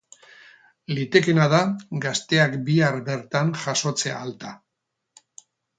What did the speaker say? Litekeena da gazteak bihar bertan jasotzea alta.